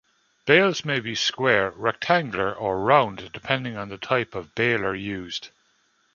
Bales may be square, rectangular, or round, depending on the type of baler used.